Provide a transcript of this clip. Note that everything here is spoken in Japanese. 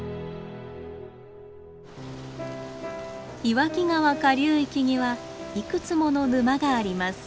岩木川下流域にはいくつもの沼があります。